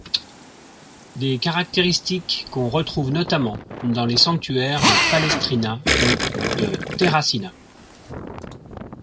Des caractéristiques qu'on retrouve notamment dans les sanctuaires de Palestrina ou de Terracina.